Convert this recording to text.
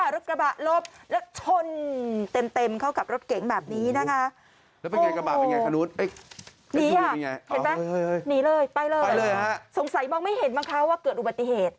รถกระบะลบแล้วชนเต็มเข้ากับรถเก๋งแบบนี้นะคะ